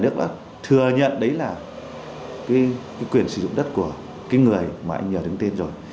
cái quyền sử dụng đất của cái người mà anh nhờ đứng tên rồi